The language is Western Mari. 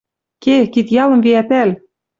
Ке, кид-ялым виӓтӓл...»